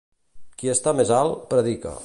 Qui està més alt, predica.